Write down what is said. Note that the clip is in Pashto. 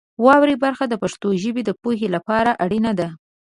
واورئ برخه د پښتو ژبې د پوهې لپاره اړینه ده.